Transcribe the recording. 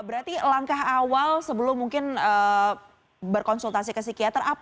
berarti langkah awal sebelum mungkin berkonsultasi ke psikiatra apa yang bisa dilakukan